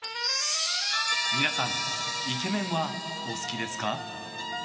皆さんイケメンはお好きですか？